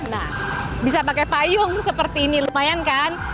nah bisa pakai payung seperti ini lumayan kan